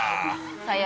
最悪。